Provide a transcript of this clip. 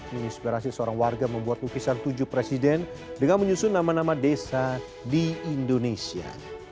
menginspirasi seorang warga membuat lukisan tujuh presiden dengan menyusun nama nama desa di indonesia